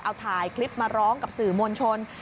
เอาถ่ายคลิปมาร้องกับสื่อมวลชน